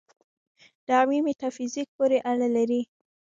دعوې میتافیزیک پورې اړه لري.